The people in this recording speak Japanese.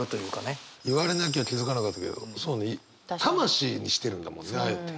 言われなきゃ気付かなかったけどそうね魂にしてるんだもんねあえて。